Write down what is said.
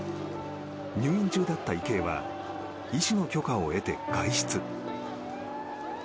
入院中だった池江は医師の許可を得て外出。